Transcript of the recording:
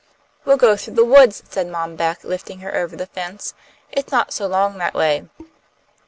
"We'll go through the woods," said Mom Beck, lifting her over the fence. "It's not so long that way."